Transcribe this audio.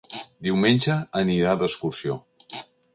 Diumenge anirà d'excursió.